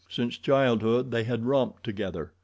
Since childhood they had romped together.